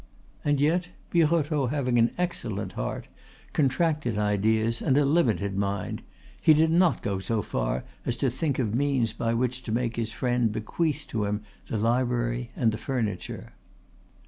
And yet Birotteau having an excellent heart, contracted ideas, and a limited mind he did not go so far as to think of means by which to make his friend bequeath to him the library and the furniture.